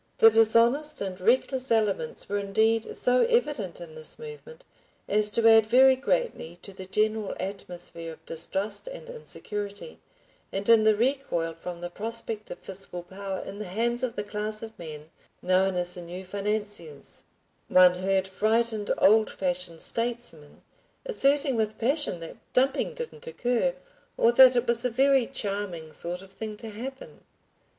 The dishonest and reckless elements were indeed so evident in this movement as to add very greatly to the general atmosphere of distrust and insecurity, and in the recoil from the prospect of fiscal power in the hands of the class of men known as the "New Financiers," one heard frightened old fashioned statesmen asserting with passion that "dumping" didn't occur, or that it was a very charming sort of thing to happen.